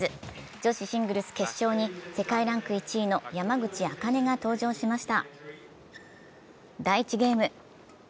女子シングルス決勝に世界ランク１位の山口茜が登場しました。